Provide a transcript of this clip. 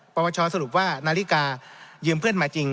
ปปชสรุปว่านาฬิกายืมเพื่อนมาจริง